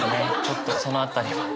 ちょっとその辺りは。